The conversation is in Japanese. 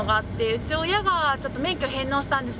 うち親がちょっと免許を返納したんです。